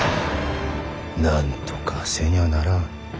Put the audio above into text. なんとかせにゃならん。